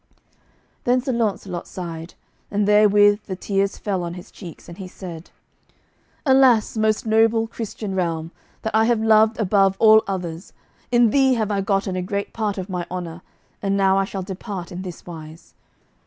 Then Sir Launcelot sighed, and therewith the tears fell on his cheeks, and he said: "Alas, most noble Christian realm, that I have loved above all others, in thee have I gotten a great part of my honour, and now I shall depart in this wise.